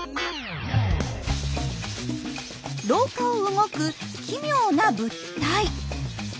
廊下を動く奇妙な物体。